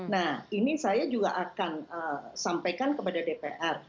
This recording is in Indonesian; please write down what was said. nah ini saya juga akan sampaikan kepada dpr